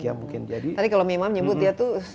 tadi kalau mimah menyebut dia itu